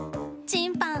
チンパン！